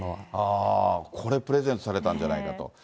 これプレゼントされたんじゃないかと。